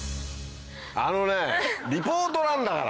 あのねリポートなんだから！